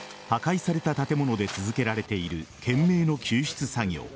破壊された建物で続けられている懸命の救出作業。